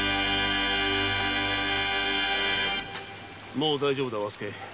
もう大丈夫だ和助。